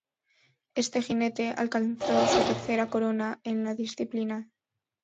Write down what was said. Este jinete alcanzó su tercera corona en la disciplina.